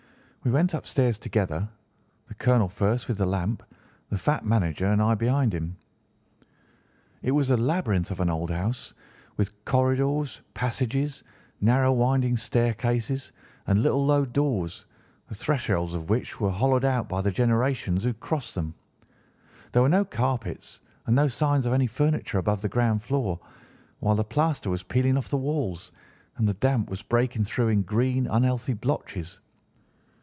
"We went upstairs together, the colonel first with the lamp, the fat manager and I behind him. It was a labyrinth of an old house, with corridors, passages, narrow winding staircases, and little low doors, the thresholds of which were hollowed out by the generations who had crossed them. There were no carpets and no signs of any furniture above the ground floor, while the plaster was peeling off the walls, and the damp was breaking through in green, unhealthy blotches.